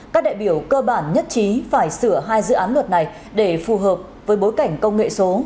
các đại biểu cơ bản nhất trí phải sửa hai dự án luật này để phù hợp với bối cảnh công nghệ số